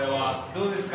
どうですか？